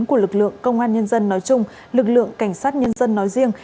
của lực lượng công an nhân dân nói chung lực lượng cảnh sát nhân dân nói riêng